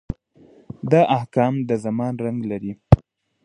دا احکام د زمان رنګ لري.